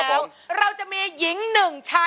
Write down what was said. เพื่อพลังสะท้าของคนลูกทุก